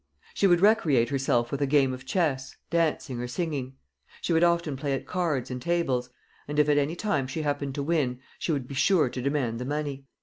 "She would recreate herself with a game of chess, dancing or singing.... She would often play at cards and tables, and if at any time she happened to win, she would be sure to demand the money....